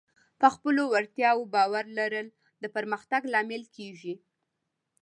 په خپلو وړتیاوو باور لرل د پرمختګ لامل کېږي.